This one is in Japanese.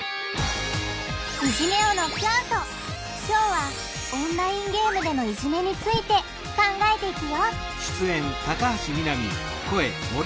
今日はオンラインゲームでのいじめについて考えていくよ！